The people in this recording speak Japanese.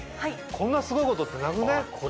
こんなすごいことってなくない？